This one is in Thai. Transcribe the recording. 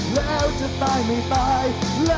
แล้วจะตายไม่ตาย